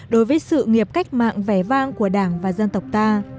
đối với sự nghiệp cách mạng vẻ vang của đảng và dân tộc ta